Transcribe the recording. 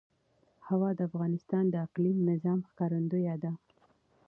هوا د افغانستان د اقلیمي نظام ښکارندوی ده.